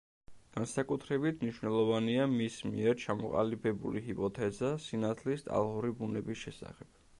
განსაკუთრებით მნიშვნელოვანია მის მიერ ჩამოყალიბებული ჰიპოთეზა სინათლის ტალღური ბუნების შესახებ.